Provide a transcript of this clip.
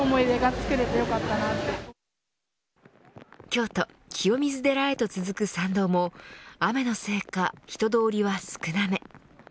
京都、清水寺へと続く参道も雨のせいか人通りは少なめ。